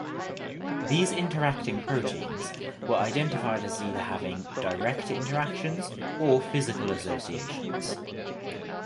These interacting proteins were identified as either having direct interactions or physical associations.